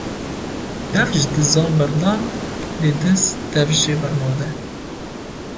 Dev ji dizan berdan lê diz dev jê bernade